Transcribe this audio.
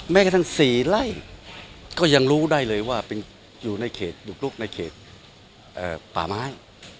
แม้แค่ทั้งสี่ไร่ก็ยังรู้ได้เลยว่าอยู่ในเขตป่าไม้